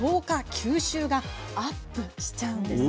・吸収がアップしちゃうんです。